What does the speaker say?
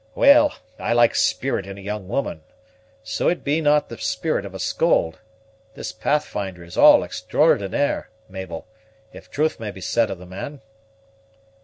Well, I like spirit in a young woman, so it be not the spirit of a scold. This Pathfinder is all extraordinair, Mabel, if truth may be said of the man."